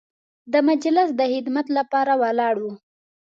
د مجلس د خدمت لپاره ولاړ وو.